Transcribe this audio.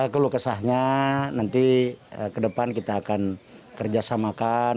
kelukesahnya nanti ke depan kita akan kerjasamakan